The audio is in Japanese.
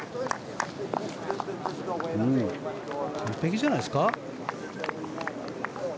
完璧じゃないですか？